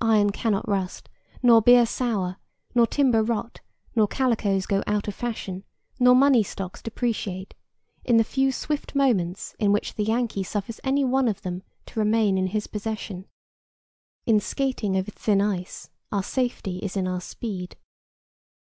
Iron cannot rust, nor beer sour, nor timber rot, nor calicoes go out of fashion, nor money stocks depreciate, in the few swift moments in which the Yankee suffers any one of them to remain in his possession. In skating over thin ice our safety is in our speed.